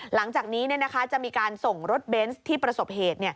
หลังจากนี้จะมีการส่งรถเบนส์ที่ประสบเหตุ